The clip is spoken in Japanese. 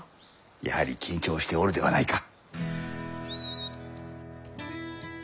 やはり緊張しておるではないか。